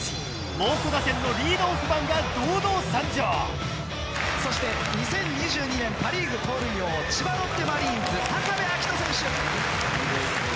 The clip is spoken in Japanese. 猛虎打線のリードオフマンが堂々参上そして２０２２年パ・リーグ盗塁王千葉ロッテマリーンズ部瑛斗選手。